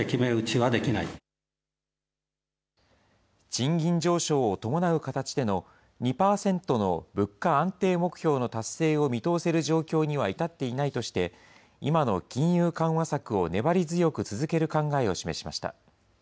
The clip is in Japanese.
賃金上昇を伴う形での２％の物価安定目標の達成を見通せる状況には至っていないとして、今の金融緩和策を粘り強く続ける考えを示しました。